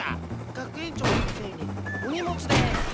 学園長先生にお荷物です。